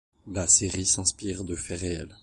Ls série s'inspire de faits réels.